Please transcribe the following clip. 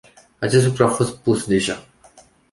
Acest lucru a fost spus deja.